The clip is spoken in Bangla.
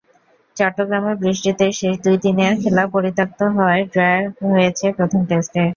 চট্টগ্রামে বৃষ্টিতে শেষ দুই দিনের খেলা পরিত্যক্ত হওয়ায় ড্র হয়েছে প্রথম টেস্ট।